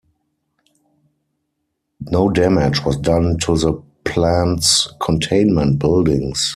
No damage was done to the plant's containment buildings.